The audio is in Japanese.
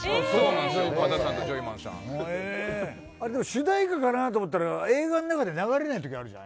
主題歌かなと思ったら映画の中で流れないときあるじゃん。